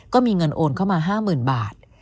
ก็มีเงินโอนเข้ามา๕๐๐๐บาท